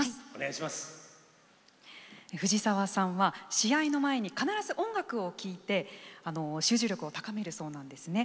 藤澤さんは試合の前に必ず音楽を聴いて集中力を高めるそうなんですね。